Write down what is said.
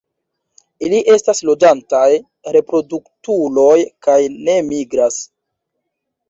Ili estas loĝantaj reproduktuloj kaj ne migras.